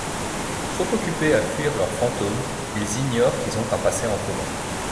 Trop occupés à fuir leurs fantômes, ils ignorent qu’ils ont un passé en commun.